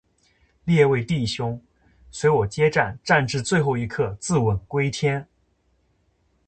列位弟兄，随我接战，战至最后一刻，自刎归天！